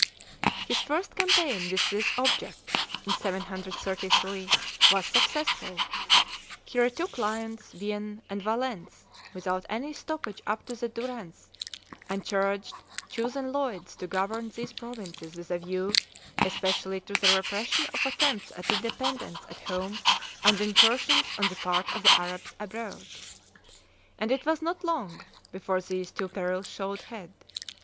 His first campaign with this object, in 733, was successful; he retook Lyons, Vienne, and Valence, without any stoppage up to the Durance, and charged chosen "leudes" to govern these provinces with a view especially to the repression of attempts at independence at home and incursions on the part of the Arabs abroad. And it was not long before these two perils showed head.